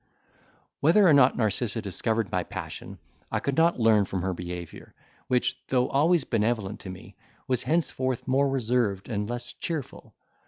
Whether or not Narcissa discovered my passion, I could not learn from her behaviour, which, though always benevolent to me was henceforth more reserved and less cheerful.